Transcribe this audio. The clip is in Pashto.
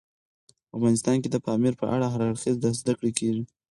افغانستان کې د پامیر په اړه هر اړخیزه زده کړه کېږي.